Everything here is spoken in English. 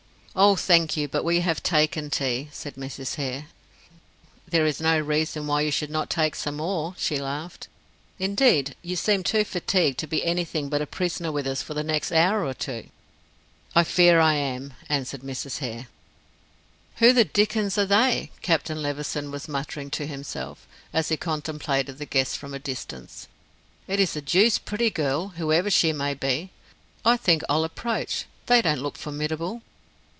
"Oh thank you, but we have taken tea," said Mrs. Hare. "There is no reason why you should not take some more," she laughed. "Indeed, you seem too fatigued to be anything but a prisoner with us for the next hour or two." "I fear I am," answered Mrs. Hare. "Who the dickens are they?" Captain Levison was muttering to himself, as he contemplated the guests from a distance. "It's a deuced pretty girl, whoever she may be. I think I'll approach, they don't look formidable."